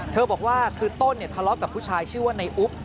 บอกว่าคือต้นทะเลาะกับผู้ชายชื่อว่าในอุ๊บ